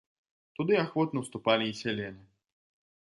Туды ахвотна ўступалі і сяляне.